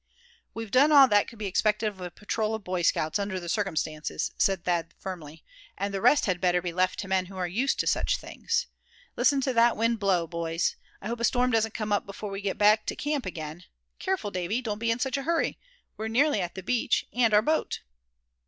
"We've done all that could be expected of a patrol of Boy Scouts, under the circumstances," said Thad firmly; "and the rest had better be left to men who are used to such things. Listen to that wind blow, boys? I hope a storm doesn't come up before we get back to camp again. Careful, Davy, don't be in such a hurry; we're nearly at the beach, and our boat."